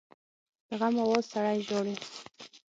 د غم آواز سړی ژاړي